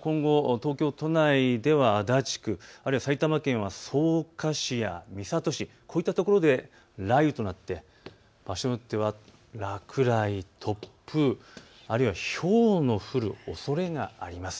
今後、東京都内では足立区、あるいは埼玉県は草加市や三郷市、こういった所で雷雨となって場所によっては落雷、突風、あるいはひょうの降るおそれがあります。